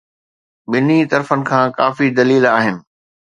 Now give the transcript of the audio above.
ٻنهي طرفن کان ڪافي دليل آهن.